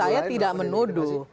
saya tidak menuduh